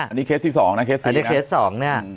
อันนี้เคสที่๒นะ